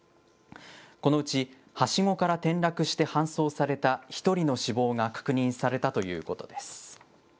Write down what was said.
このうち、はしごから転落して搬送された１人の死亡が確認されたということです。